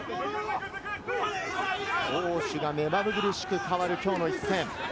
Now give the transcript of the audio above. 攻守がめまぐるしく変わる、きょうの一戦。